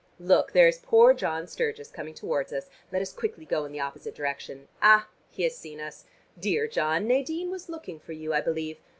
Look, there is poor John Sturgis coming towards us: let us quickly go in the opposite direction. Ah, he has seen us! Dear John, Nadine was looking for you, I believe.